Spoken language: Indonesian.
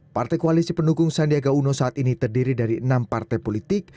partai koalisi pendukung sandiaga uno saat ini terdiri dari enam partai politik